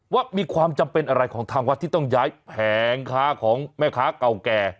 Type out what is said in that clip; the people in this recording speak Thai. ว่ามีความจำเป็นอะไรของทางวัดที่ต้องย้ายแผงค้าของแม่ค้าเก่าแก่